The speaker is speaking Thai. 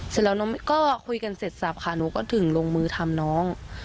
เสร็จแล้วน้องก็คุยกันเสร็จสับค่ะหนูก็ถึงลงมือทำน้อง